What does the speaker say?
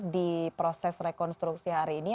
di proses rekonstruksi hari ini